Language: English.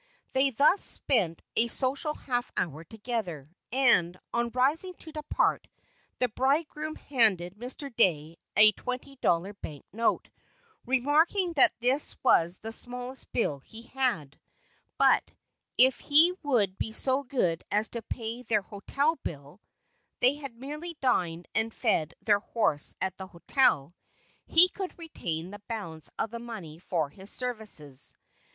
They thus spent a social half hour together, and, on rising to depart, the bridegroom handed Mr. Dey a twenty dollar bank note; remarking that this was the smallest bill he had, but, if he would be so good as to pay their hotel bill (they had merely dined and fed their horse at the hotel), he could retain the balance of the money for his services.